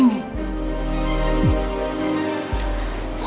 dewi itu keras kepala orangnya